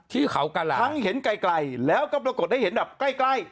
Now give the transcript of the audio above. ที่เข้ากำลังทั้งเห็นใกล้แล้วก็บรรตกดได้เห็นแบบใกล้